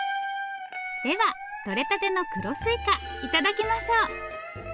ではとれたての黒すいか頂きましょう！